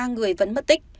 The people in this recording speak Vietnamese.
ba người vẫn mất tích